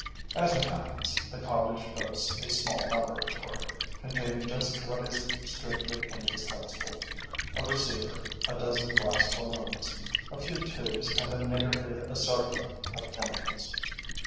As it happens, the college boasts a small laboratory, containing just what is strictly indispensable: a receiver, a dozen glass balloons, a few tubes and a niggardly assortment of chemicals.